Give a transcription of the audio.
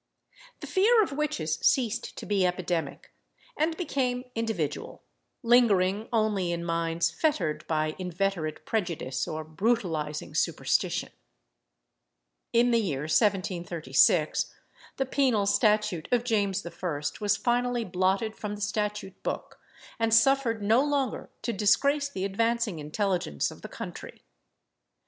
The fear of witches ceased to be epidemic, and became individual, lingering only in minds fettered by inveterate prejudice or brutalising superstition. In the year 1736, the penal statute of James I. was finally blotted from the statute book, and suffered no longer to disgrace the advancing intelligence of the country.